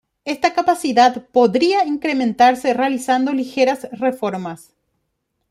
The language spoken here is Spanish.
Esta capacidad podría incrementarse realizando ligeras reformas.